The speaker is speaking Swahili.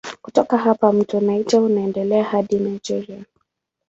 Kutoka hapa mto Niger unaendelea hadi Nigeria.